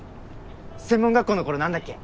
専門学校の頃何だっけ？